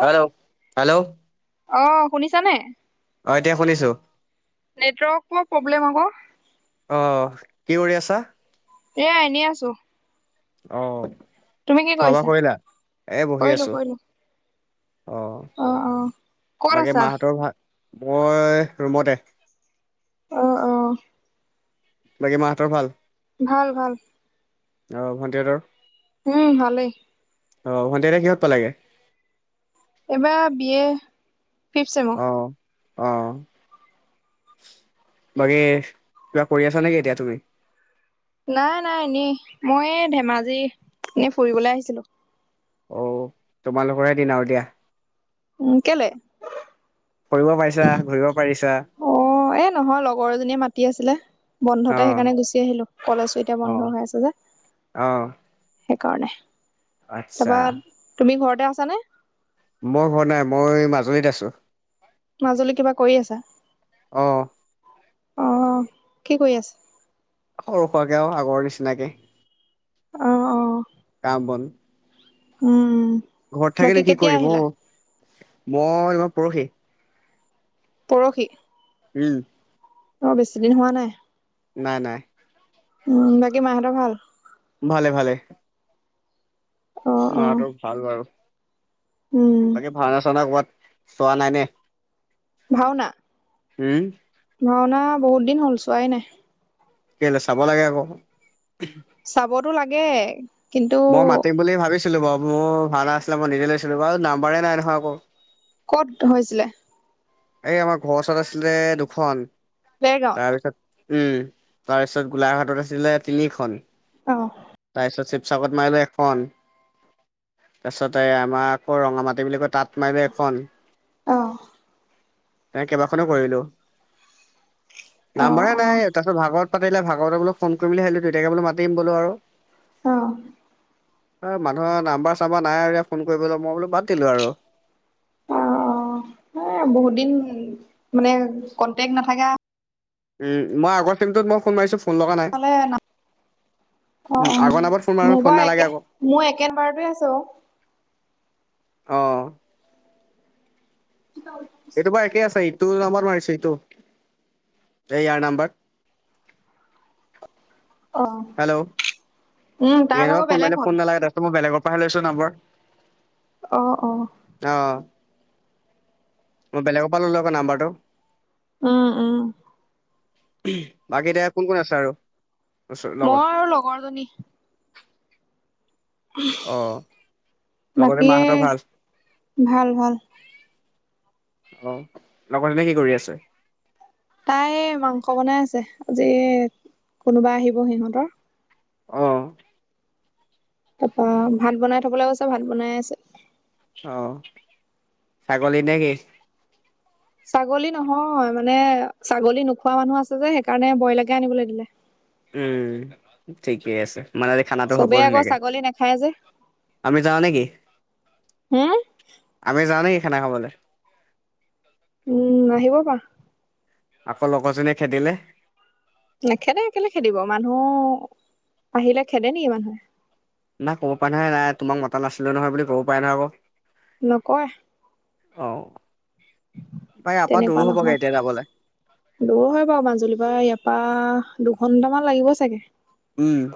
Hello hello অ শুনিছানে অ এতিয়া শুনিছো নেটৱৰ্কৰ প্ৰব্লেম হব অ অ কি কৰি আছা এয়া এনেই আছো অ খোৱা তুমি কি বোৱা কৰিছা কৰিলা এ বহি কৰিলো আছো কৰিলো অ ক'ত বাকী আছা মা হতৰ ভা মই ৰুমতে অ অ বাকী মা হঁতৰ ভাল ভাল ভাল অ ভণ্টিহতৰ উম ভালেই অ ভন্তিহেতে কিহত পালাগে এবাৰ বি এ ফিফ ছেম অ অ বাকী কিবা কৰি আছা নেকি এতিয়া তুমি নাই নাই এনেই মই ধেমাজি এনে ফুৰিবলৈ আহিছিলো অঁ তোমালোকৰেহে দিন আৰু দিয়া। উমঁ কেলে? কৰিব পাৰিছা ঘূৰিব পাৰিছা। অঁ এ নহয় লগৰ এজনীয়ে মাতি আছিলে। অ বন্ধতে সেইকাৰণে গুচি আহিলো কলেজো এতিয়া বন্ধ হৈ আছে যে। অঁ! সেইকাৰণে তাপা তুমি ঘৰতে আছানে? মই ঘৰত নাই মই মাজুলীত আছোঁ। মাজুলি কিবা কৰি আছা? অঁ! অঁ কি কৰি আছে? সৰু সোৱাকৈ আৰু আগৰ নিচিনাকে। অঁ অঁ! কাম বন। উমঁ! ঘৰত থাকিনো কি কৰিম অঁ মই পৰহি- পৰখি। উমঁ! অঁ বেছি দিন হোৱা নাই। নাই নাই। উমঁ বাকী মা হঁতৰ ভাল? ভালে ভালে। অঁ অঁ! মাহঁতৰ ভাল বাৰু উমঁ! বাকী ভাওনা চাওনা ক'ৰবাত চোৱা নাই নে? ভাওনা- উমঁ! ভাওনা বহুত দিন হ'ল চোৱাই নাই। কেলে চাব লাগে আক। চাবতো লাগে- কিন্তু মই মাতিম বুলি ভাবিছিলো বাৰু মোৰ ভাও না আছিলে মই নিজে লৈছিলো বাৰু নাম্বাৰে নাই নহয় আক। ক'ত হৈছিলে? এই আমাৰ ঘৰৰ ওচৰত আছিলে দুখন দেৰগাঁৱত? তাৰপিছত- উমঁ তাৰপিছত গোলাঘাটত আছিলে তিনিখন। অঁ! তাৰপিছত শিৱসাগৰত মাৰিলোঁ এখন। তাৰপাছতে আমাৰ আকৌ ৰঙা মাটি বুলি কয় তাঁত মাৰিলো এখন। অঁ! এ কেইবাখনো কৰিলো। অ', নাম্বাৰে অ', অ'। নাই এ তাত- ভাগৱত পাতিলে ভাগৱতত বোলো ফোন কৰিম বুলি ভাবিলো দুইটাকে বোলো মাতিম বোলো আৰু। অঁ- অঁ মানুহৰ নাম্বাৰ চাম্বাৰ নাই আৰুয়া ফোন কৰিবলৈ মই বোলো বাদ দিলো আৰু। অঁ অঁ এ বহুত দিন মানে কন্টেক্ট নাথাকা। উমঁ মই আগৰ চিমটোত মই ফোন মাৰিছোঁ ফোন লাগা নাই। অঁ উম, অঁ আগৰ নাম্বাৰত ফোন মাৰো মোৰ ফোন বাৰু নালাগে একে আকৌ মই একে বাৰতে আছো। অ [inaudible] এইটো বাৰু একেই আছে ইটো নাম্বাৰত মাৰিছো ইটো এই ইয়াৰ নাম্বাৰ। অ হেল্ল' উম, তাৰ ইয়াৰ ভাগৰ নম্বৰত ফোন বেলেগ মাৰিলে হ'ল। ফোন নালাগে তাৰপিছত মই বেলেগৰ পৰাহে লৈছো নাম্বাৰ। অ অ অ মই বেলেগৰ পৰা ল'লো আক নাম্বাৰটো। উম, উম বাকী এতিয়া কোন কোন আছে আৰু, ওচ লগত মই আৰু লগৰজনী অ লগতে বাকী মাহঁতৰ ভাল? ভাল ভাল। অ লগৰজনীয়ে কি কৰি আছে? তাই মাংস বনাই আছে আজি কোনোবা আহিব সিহঁতৰ। অ তাৰপা ভাত বনাই থবলৈ কৈছে ভাত বনাই আছে। অ ছাগলী নে কি? ছাগলী নহয় মানে ছাগলী নোখোৱা মানুহ আছে যে সেইকাৰণে ব্ৰইলাৰকে আনিবলৈ দিলে। উম ঠিকেই আছে। খানাটো হ'ব চবেই আকৌ ধুনীয়াকে ছাগলী নাখায় যে আমি যাওঁ নেকি? হম, আমি যাওঁ নেকি খানা খাবলে? উম আহিব পাৰা। আকৌ লগৰজনীয়ে খেদিলে নেখেদে কেলে খেদিব মানুহ আহিলে খেদে নেকি মানুহে। নাই ক'ব পাৰে নহয় নাই তোমাক মতা নাছিলো নহয় বুলি কব পাৰে নহয় আকৌ। নকয় অ ভাই আপা দূৰো তেনেকুৱা হ'বগে নহয়। এতিয়া যাবলে। দূৰ হয় বাৰু মাজুলীৰ পৰা ইয়াৰ পা দুঘন্টামান লাগিব চাগে। উম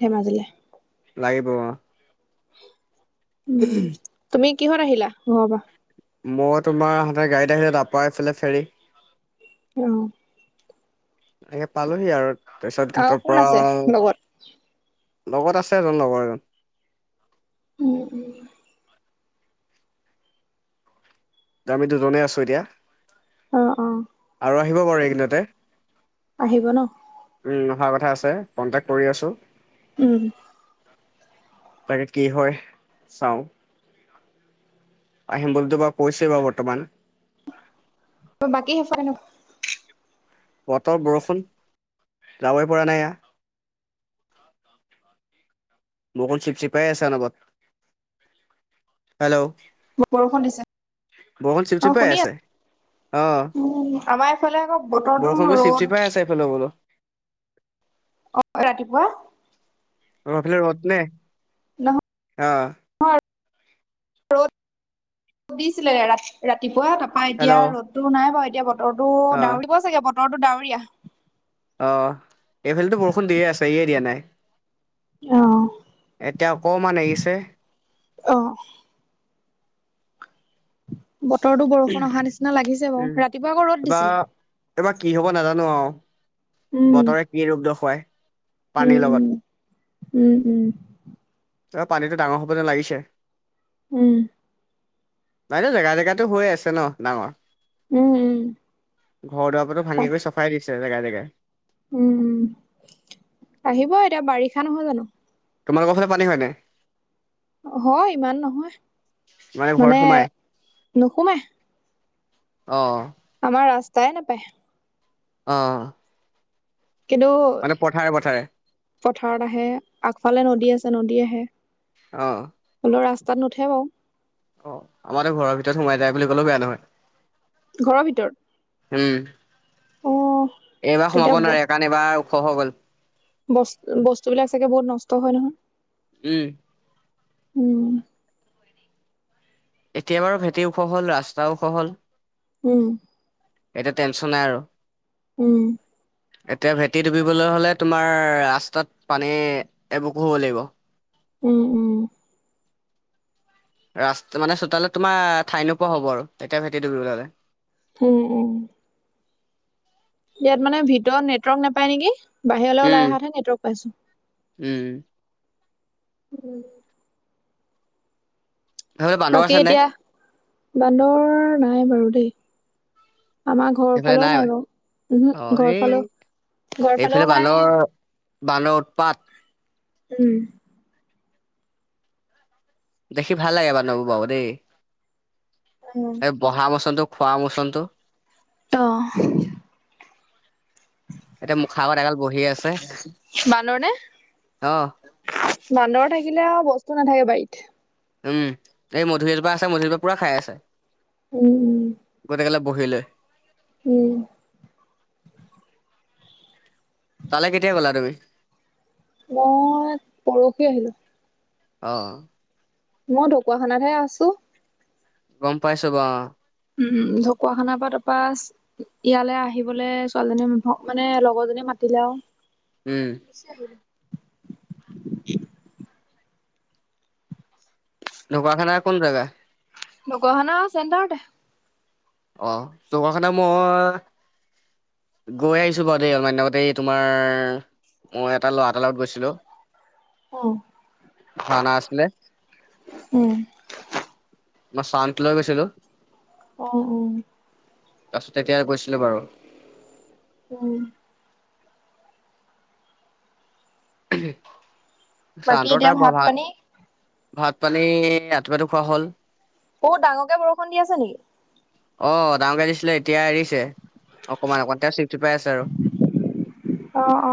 ধেমাজিলে। লাগিব অ, উম, তুমি কিহত আহিলা ঘৰৰ পৰা? মই তোমাৰ আহোতে গাড়ীত আহিলোঁ, তাৰপৰা এইফালে ফেৰী। অ এ পালোঁহি আৰু তাৰপিছত আৰু ঘাটৰ কোন পৰা আছে আ লগত লগত আছে এজন লগৰ এজন। উম, উম। আমি দুজনেই আছোঁ এতিয়া। অহ, অহ আৰু আহিব বাৰু এইকেইদিনতে। আহিব ন উম, অহা কথা আছে কণ্টেক্ট কৰি আছো। উম। তাকে কি হয় চাওঁ। আহিম বুলিটো বাৰু কৈছে বা বৰ্তমান। বাকী সেইফালে নো? বতৰ বৰষুণ যাবই পৰা নাই এইয়া। বৰষুণ চিপ চিপাই আছ অনবৰত, হেল্ল' বৰষুণ দিছে? বৰষুণ অ চিপ-চিপাই শুনি আছে। আছো অ', উম আমাৰ এইফালে আকৌ বতৰটো বৰষুণবোৰ ৰ'দ চিপ-চিপাই আছে এইফালে বোলো। অ', ৰাতিপুৱা। তহঁতৰ পিনে ৰ'দ নে? নহয় অহ দিছিলে ৰা ৰাতিপুৱা, তাৰপা হেল্ল' এতিয়া ৰ'দতো নাই বাৰু এতিয়া বতৰটো অ ডাৱৰীয়া চাগে বতৰটো ডাৱৰীয়া। অহ, এইফালেটো বৰষুণ দিয়ে আছে এৰি‌য়ে দিয়া নাই। অ' এতিয়া অকণমান এৰিছে। অ বতৰতো বৰষুণ অহা নিচিনা লাগিছে উম বাৰু। ৰাতিপুৱা আকৌ ৰ'দ এইবাৰ দিছিলে। এইবাৰ কি হ'ব নাজানো আৰু উম বতৰে কি ৰূপ দখুৱায়। উম, পানীৰ লগত, উম, উম, উম, পানীটো ডাঙৰ হ'ব যেন লাগিছে। উম জেগাই জেগাইটো হৈয়ে আছে ন' ডাঙৰ। উম ঘৰ-দুৱাৰ বোৰতো ভাঙি উম, কৰি চফাই দিছে জেগাই জেগাই। উম, আহিব এতিয়া বাৰিষা নহয় জানোঁ। তোমালোকৰ ফালে পানী হয় নাই? হয় ইমান নহয়, ঘৰত মানে সোমাই নোসোমায়। অ' আমাৰ ৰাস্তাই নাপায়। অ' কিন্তু মানে পথাৰে পথাৰে। পথাৰত আহে, আগফালে নদী আছে নদী আহে। অ' হ'লেও ৰাস্তাত নুঠে বাৰু। আমাৰতো ঘৰৰ ভিতৰত সোমাই যায় বুলি ক'লেও বেয়া নহয়। ঘৰৰ ভিতৰত? উম, অ', এইবাৰ তেতিয়া সোমাব নোৱাৰে কাৰণ এইবাৰ ওখ হৈ গ'ল। বস্তু বস্তুবিলাক চাগে বহুত নষ্ট হয় নহয়। উম উম এতিয়া বাৰু ভেটি ওখ হ'ল, ৰাস্তাও ওখ হ'ল। উম এতিয়া টেনশ্যন নাই আৰু। উম এতিয়া ভেটি ডুবিবলে হ'লে তোমাৰ ৰাস্তাত পানী এবুকু হ'ব লাগিব। উম উম মানে চোতালত তোমাৰ ঠাই নোপোৱা হ'ব আৰু তেতিয়া ভেটি ডুবিব হ'লে। উম উম ইয়াত মানে ভিতৰত নেটৱৰ্ক নাপাই নেকি বাহিৰলৈ উম ওলাই অহাতহে নেটৱৰ্ক পাইছো। উম উম সেইফালে বান্দৰ বাকী আছে নে এতিয়া বান্দৰ নাই বাৰু দেই। আমাৰ ঘৰৰ ফালেও নাই বাৰু ওহো অ ঘৰ এই ফালেও ঘৰ ফালেও এইফালে নাই বান্দৰ বান্দৰৰ উৎপাত। উম দেখি ভাল লাগে বান্দৰবোৰ বাৰু দেই। উম এই বহা মোচনটো খোৱা মোচনটো। অহ এতিয়া মুখা আগত এগাল বহি আছে বান্দৰ নে অ। বান্দৰ থাকিলে আৰু বস্তু নাথাকে বাৰিত। উম এই মধুৰি এজোপা আছে মধুৰি জোপা পুৰা খাই আছে। উম উম। গোটেই গালে বহি লৈ। উম উম তালে কেতিয়া গ'লা তুমি মই পৰহি আহিলো। অ মই ঢকুৱাখানাতহে আছো। গম পাইছো বাৰু অ উম উম ঢকুৱাখানাৰ পৰা তাৰপা ইয়ালে আহিবলে ছোৱালীজনী মানে লগৰ জনী মাতিলে আৰু উম গুচি আহিলো। ঢকুৱাখনাৰ কোন জেগা ঢকুৱাখনাৰ চেন্টাৰতে। অ ঢকুৱাখানাৰ মই গৈ আহিছো বাৰু দেই অলপমান দিন আগতে এই তোমাৰ মই এটা ল'ৰা এটা লগত গৈছিলো অ ভাওনা আছিলে। উম মই ছাউণ্ড লৈ গৈছিলো। অ অ জাষ্ট তেতিয়া গৈছিলো বাৰু উম ঊম বাকী ছাণ্ডৰ এতিয়া তাৰ ভাত বৰ ভা পানী ভাত পানী ৰাতিপুৱাটো খোৱা হ'ল। বহুত ডাঙৰকে বৰষুণ দি আছে নেকি অ ডাঙৰকে দিছিলে এতিয়া এৰিছে। অকমান অকমান এতিয়াও চিপ চিপাই আছে আৰু অ অ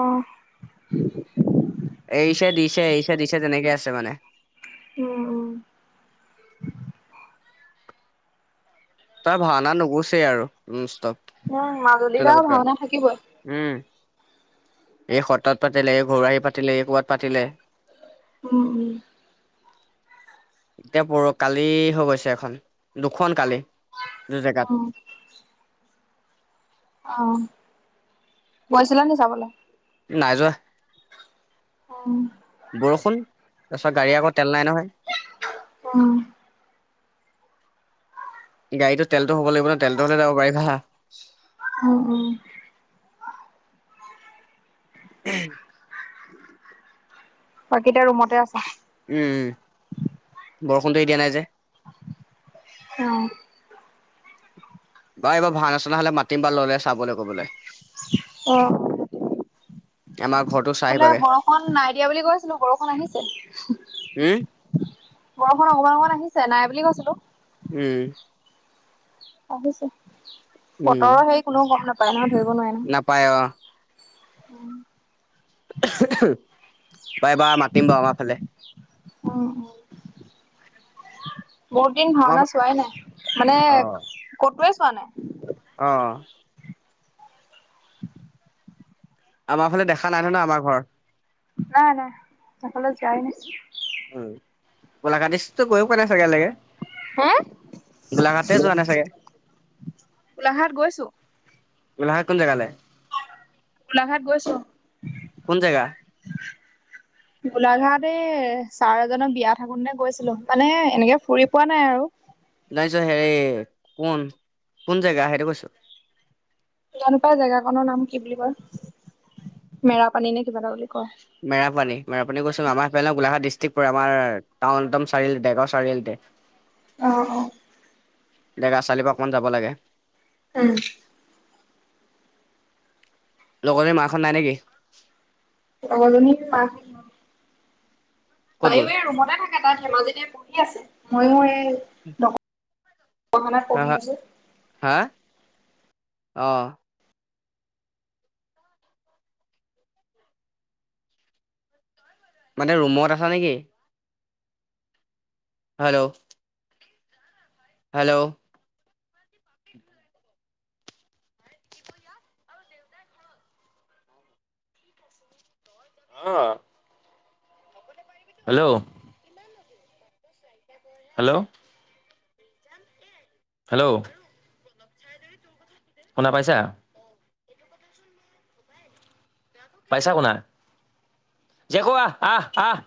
এৰিছে দিছে এৰিছে দিছে তেনেকে আছে মানে। উম উম তাৰ ভাওনা নুগুছেই আৰু ননস্তপ উম মাজুলী আও ভাওনা থাকিবই উম, এই সত্ৰত পাতিলে, এই ঘৰুৱাহী পাতিলে এই ক'বাত পাতিলে। উম উম। এতিয়া পৰ, কালি হৈ গৈছে এখন, দুখন কালি দু জেগাত। অ'। অ' গৈছিলা নি চাবলৈ? নাই যোৱা। উম। বৰষুণ, তাৰপিছত গাড়ী আকৌ তেল নাই নহয়। উম। গাড়ীটো তেলটো হব লাগিব ন, তেলটো হলো যাব পাৰি [unintelligible] উম উম। উম। বাকী এতিয়া ৰুমতে আছা? উম উম, বৰষুণটো এ দিয়া নাই যে। অ'। বা এইবাৰ ভাৱনা নচনা হ'লে মাতিম বা ল'লে চাবলৈ ক'বলৈ। অ'। আমাৰ ঘৰতো চাই এইফালে আহিবাগে বৰষুণ নাই দিয়া বুলি কৈছিলোঁ, বৰষুণ উম আহিছে। বৰষুণ অগমান অমান আহিছে, নাই বুলি কৈছিলোঁ। উম। আহিছে, উম বতৰৰ হেৰি কোননেও গম নাপায় নহয়, ধৰিব নোৱাৰি। নাপায় অ'। উম। বা এবাৰ মাতিম বাৰু আমাৰ ফালে। উম উ, বহুত দিন আমাৰ ভাওনা চোৱাই নাই। মানে অ ক'তোৱে চোৱা নাই। অ'। আমাৰ ফালে দেখা নাই নে ন, আমাৰ ঘৰ। না নাই হেফালো যোয়ই নাই। উ, গোলাঘাটষ্টতো গৈ পোৱা নাই চাগে ইৱালৈকে। হে গোলাঘাট যোৱানে চাগে? গোলাঘাট গৈছো গোলাঘাত, কোন জেগালে? গোলাঘাত গৈছোঁ। কোন জেগা? গোলাঘাট এই ছাৰ এজনক বিয়া থাকোতে গৈছিলোঁ, মানে এনেকে ফুৰি পোৱা নাই আৰু। জানিছ হেৰি, কোন কোন জেগা, সেইটো কৈছো? জানোপাই জেগাখনৰ নাম কি বুলি কয়, মেৰাপানী নে কিবা এটা বুলি কয়। মেৰাপানী, মেৰাপানী গৈছোঁ আমাৰফালে গলাঘাট ডিষ্ট্ৰিক্ পৰে, আমাৰ টাউনদম চা বেকৰ চাৰিআলটতে। [inaudible] অ', অ'। দেগা চালি পা অকণমান যাব লাগে। উম। লগৰজনি মাকহট নাই নেকি? লগৰ জনিৰ মাক ক'ত তাইয়ো গ'ল এই ৰুমতে থাকে, তাই ধেমাজিতে পঢ়ি আছে, মইয়ো এই ন মানে পঢ়ি আছোঁ। হাঁ অঁ। মানে ৰুমত আছা নেকি? হেল্ল। হেল্ল। অঁ। হেল্ল। হেল্ল। হেল্ল শুনা পাইছা? পাইছা শুনা? জে কো আহ আহ আহ।